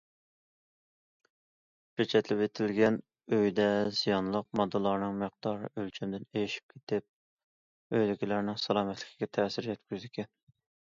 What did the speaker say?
پېچەتلىۋېتىلگەن ئۆيدە زىيانلىق ماددىلارنىڭ مىقدارى ئۆلچەمدىن ئېشىپ كېتىپ، ئۆيدىكىلەرنىڭ سالامەتلىكىگە تەسىر يەتكۈزىدىكەن.